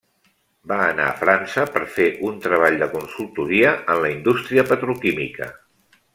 Va anar a França per fer un treball de consultoria en la indústria petroquímica.